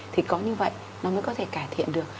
thì có như vậy nó mới có thể cải thiện được